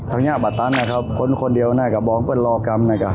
เขาเนี้ยบาตรัสน่ะครับคนคนเดียวน่ะกะบอกเพื่อนรอกรรมน่ะกะ